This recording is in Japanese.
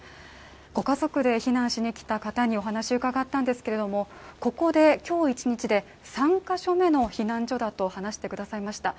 ご家族で避難してきた方にお話を伺ったんですけどもここで今日一日で３カ所目の避難所だと話してくださいました。